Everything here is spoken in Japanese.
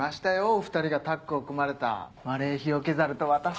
お２人がタッグを組まれた『マレーヒヨケザルと私』